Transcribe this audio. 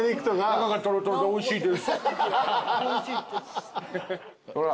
「中がトロトロでおいしいです」